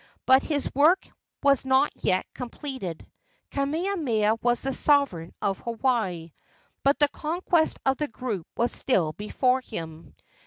But his work was not yet completed. Kamehameha was the sovereign of Hawaii, but the conquest of the group was still before him.